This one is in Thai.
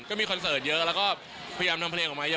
ก็มีคอนเซิร์ตเยอะแล้วก็พยายามทำเพลงของมากใหญ่